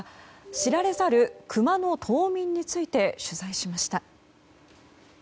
知られざるクマの冬眠について取材しました。